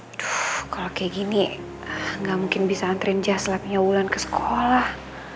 aduh kalau kayak gini gak mungkin bisa anterin jazz lab nya ulan ke sekolah